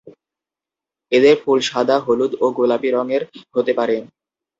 এদের ফুল সাদা, হলুদ ও গোলাপী রঙের হতে পারে।